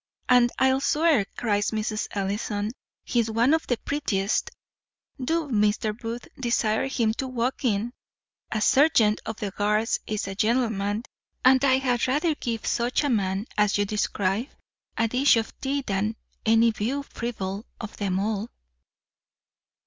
"And I'll swear," cries Mrs. Ellison, "he is one of the prettiest. Do, Mr. Booth, desire him to walk in. A serjeant of the guards is a gentleman; and I had rather give such a man as you describe a dish of tea than any Beau Fribble of them all."